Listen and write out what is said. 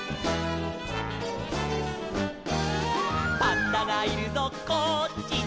「パンダがいるぞこっちだ」